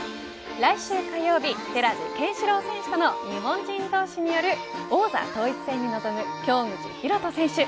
来週火曜日、寺地拳四朗選手との日本人同士による王座統一戦に臨む京口紘人選手。